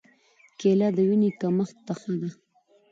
کېله د وینې کمښت ته ښه ده.